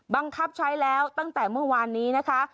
บังคับใช้แล้วตั้งแต่เมื่อวานนี้นะคะ